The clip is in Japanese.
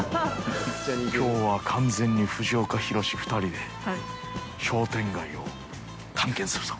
きょうは完全に、藤岡弘、２人で、商店街を探検するぞ。